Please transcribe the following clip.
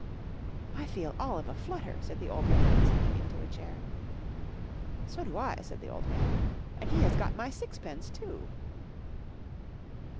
"I feel all of a flutter," said the old woman, sinking into a chair. "So do I," said the old man. "And he has got my sixpence too."